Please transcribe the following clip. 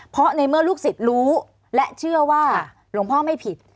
เพราะในเมื่อลูกศิษย์รู้และเชื่อว่าหลวงพ่อไม่ผิด